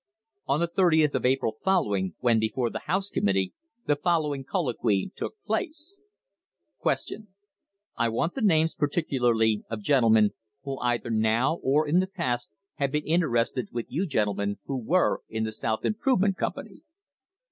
On the 30th of the April following, when before the House Committee, the following colloquy took place : Q. I want the names particularly of gentlemen who either now or in the past have been interested with you gentlemen who were in the South Improvement Company